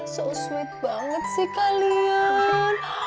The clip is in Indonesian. so swit banget sih kalian